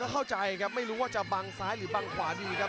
เข้าใจครับไม่รู้ว่าจะบังซ้ายหรือบังขวาดีครับ